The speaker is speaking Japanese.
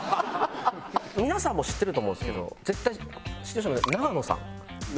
皆さんも知ってると思うんですけど永野さん。